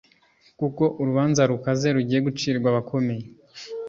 kuko urubanza rukaze rugiye gucirwa abakomeye.